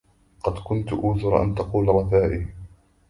قد كنت أوثر أن تقول رثائي